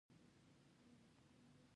• لور د مور د زړسوي یوازینی درمان دی.